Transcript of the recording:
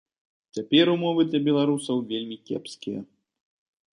Цяпер умовы для беларусаў вельмі кепскія.